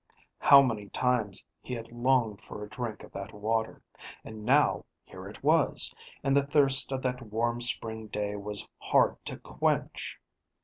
How many times he had longed for a drink of that water, and now here it was, and the thirst of that warm spring day was hard to quench!